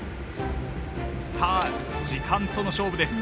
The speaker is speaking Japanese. さあ時間との勝負です。